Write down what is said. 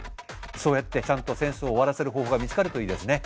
そうやってちゃんと戦争を終わらせる方法が見つかるといいですね。